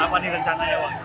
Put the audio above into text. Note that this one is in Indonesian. untuk bayar untraan